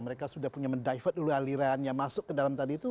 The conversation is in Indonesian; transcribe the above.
mereka sudah punya mendivert dulu aliran yang masuk ke dalam tadi itu